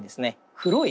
黒い